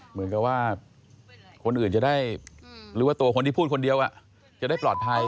เหมือนกับว่าคนอื่นจะได้หรือว่าตัวคนที่พูดคนเดียวจะได้ปลอดภัย